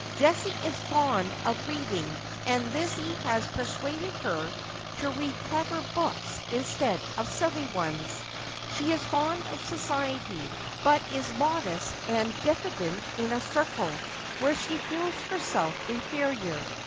Jessie is fond of reading, and Lizzie has pei'suaded her to read clever books instead of silly ones. She is fond of society, but is modest and diffident in a circle where she feels herself inferior.